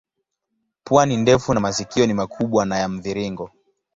Pua ni ndefu na masikio ni makubwa na ya mviringo.